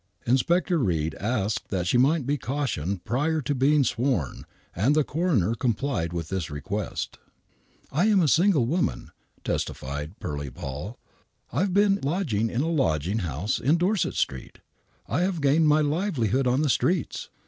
Inspector Reid asked that she might be cautioned prior to being sworn, and the coroner complied with his request. " I am a single woman," testified " Pearly Poll." " I've been lodging in a lodging house in Dorset Street. I've gained my livelihood on the streets.